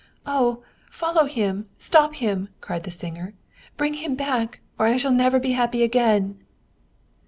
" Oh, follow him, stop him !" cried the singer. " Bring him back, or I shall never be happy again